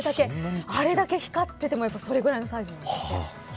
あれだけ光っててもそれぐらいのサイズなんですって。